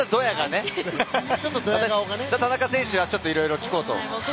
田中選手はいろいろ聞こうと。